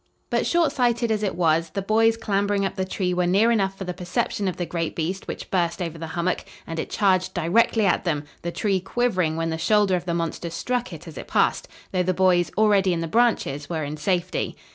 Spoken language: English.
But short sighted as it was, the boys clambering up the tree were near enough for the perception of the great beast which burst over the hummock, and it charged directly at them, the tree quivering when the shoulder of the monster struck it as it passed, though the boys, already in the branches, were in safety.